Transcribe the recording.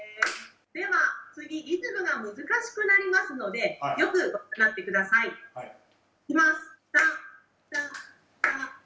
では次リズムが難しくなりますのでよくご覧になって下さい。いきます。